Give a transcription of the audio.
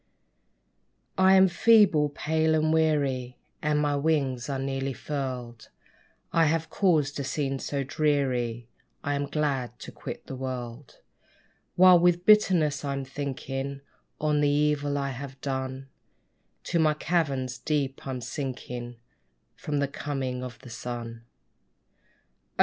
I am feeble, pale and weary, And my wings are nearly furled. I have caused a scene so dreary, I am glad to quit the world. While with bitterness I'm thinking On the evil I have done, To my caverns deep I'm sinking From the coming of the sun. Oh!